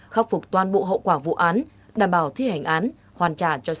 khắc phục toàn bộ hậu quả vụ án đảm bảo thi hành án hoàn trả cho sáu sáu trăm ba mươi một bị hại